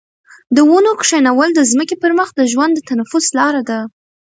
د ونو کښېنول د ځمکې پر مخ د ژوند د تنفس لاره ده.